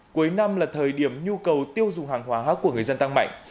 cuối năm là thời điểm nhu cầu tiêu dùng hàng hóa của người dân tăng mạnh